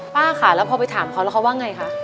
ป้าค่ะแล้วพอไปถามเขาแล้วเขาว่าไงคะ